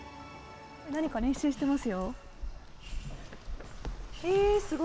何か練習してますよ。